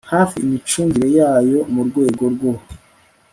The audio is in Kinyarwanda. hafi imicungire yayo mu rwego rwo